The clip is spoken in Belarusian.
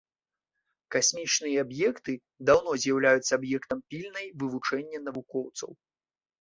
Касмічныя аб'екты даўно з'яўляюцца аб'ектам пільнай вывучэння навукоўцаў.